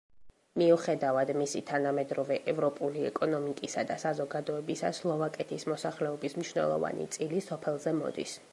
მიუხედავად მისი თანამედროვე ევროპული ეკონომიკისა და საზოგადოებისა, სლოვაკეთის მოსახლეობის მნიშვნელოვანი წილი სოფელზე მოდის.